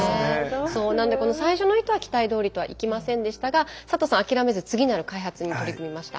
なのでこの最初の糸は期待どおりとはいきませんでしたが佐藤さん諦めず次なる開発に取り組みました。